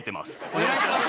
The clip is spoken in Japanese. お願いします